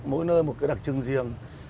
mỗi nơi một cái đặc trưng riêng